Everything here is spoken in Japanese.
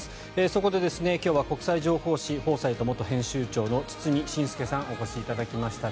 そこで今日は国際情報誌「フォーサイト」元編集長の堤伸輔さんにお越しいただきました。